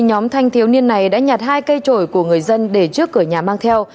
nhóm thanh thiếu niên này đã nhặt hai cây trổi của người dân để trước cửa nhà mang theo